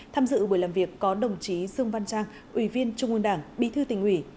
tham dự buổi làm việc có đồng chí dương văn trang ủy viên trung ương đảng bí thư tỉnh ủy